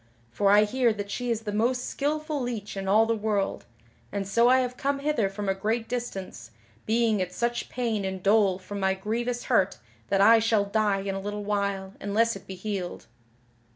For I hear that she is the most skilful leech in all the world, and so I have come hither from a great distance, being in such pain and dole from my grievous hurt that I shall die in a little while unless it be healed."